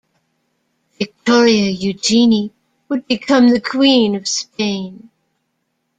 Victoria Eugenie would become the queen of Spain.